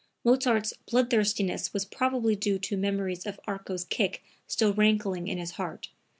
[Mozart's bloodthirstiness was probably due to memories of Arco's kick still rankling in his heart.